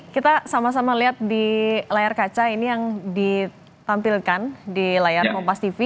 kita sama sama lihat di layar kaca ini yang ditampilkan di layar kompas tv